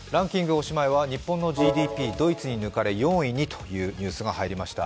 おしまいは日本のＧＤＰ、ドイツに抜かれ４位にというニュースが入りました。